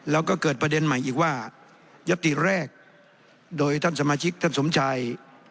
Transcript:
แล้วก็เกิดประเด็นใหม่อีกว่ายัตติแรกโดยท่านสมาชิกท่านสมชัย